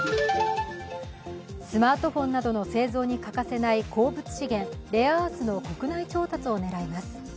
スマートフォンなどの製造に欠かせない鉱物資源、レアアースの国内調達を狙います。